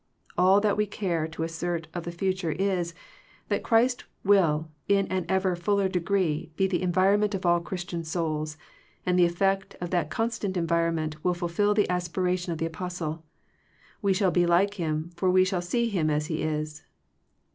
All that we care to assert of the future is, that Christ will in an ever fuller degree be the environ ment of all Christian souls, and the effect of that constant environment will fulfill the aspiration of the apostle, "We shall be like Him, for we shall see Him as He is."